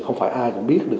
không phải ai cũng biết được